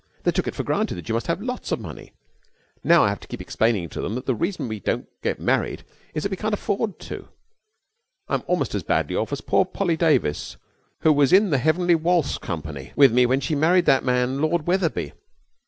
They took it for granted that you must have lots of money. Now I have to keep explaining to them that the reason we don't get married is that we can't afford to. I'm almost as badly off as poor Polly Davis who was in the Heavenly Waltz Company with me when she married that man, Lord Wetherby.